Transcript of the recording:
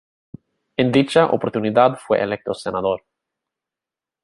En dicha oportunidad fue electo senador.